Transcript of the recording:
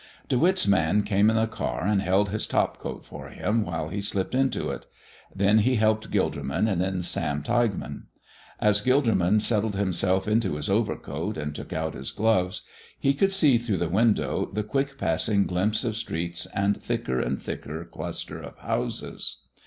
De Witt's man came in the car and held his top coat for him while he slipped into it. Then he helped Gilderman and then Sam Tilghman. As Gilderman settled himself into his overcoat and took out his gloves, he could see through the window the quick passing glimpse of streets and thicker and thicker cluster of houses.